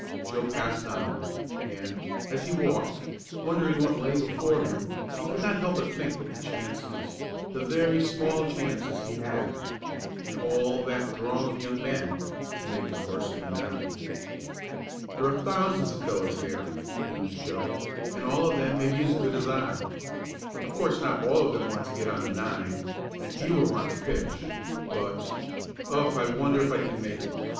Joe passed on, and, as he walked, wondering what lay before him, he could not help but think of the chances the very small chances he had in all that throng of young men to make the 'varsity nine. "There are thousands of fellows here," mused Joe, "and all of them may be as good as I. Of course not all of them want to get on the nine and fewer want to pitch. But Oh, I wonder if I can make it?